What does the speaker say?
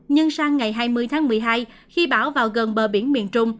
nhưng sang ngày hai mươi tháng một mươi hai khi bão vào gần bờ biển miền trung